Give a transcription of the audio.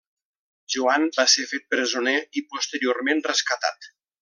Joan va ser fet presoner i posteriorment rescatat.